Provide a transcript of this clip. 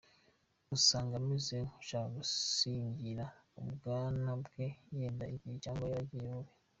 Usanga ameze nk’ushaka gusingira ubwana bwe yenda igihe cyabwo yaragize bubi.